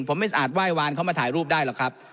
ผมไม่สะอาดไหว้วานเขามาถ่ายรูปได้หรอกครับ